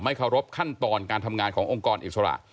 เคารพขั้นตอนการทำงานขององค์กรอิสระ